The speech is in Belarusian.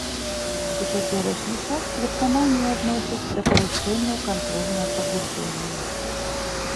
У цяперашні час клептаманію адносяць да парушэнняў кантролю над пабуджэннямі.